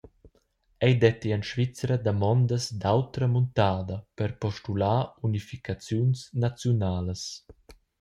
Ei detti en Svizra damondas d’autra muntada per postular unificaziuns naziunalas.